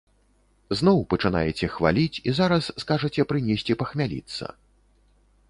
Зноў пачынаеце хваліць і зараз скажаце прынесці пахмяліцца.